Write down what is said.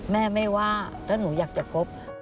แม่ไม่ว่าถ้าหนูอยากจะคบ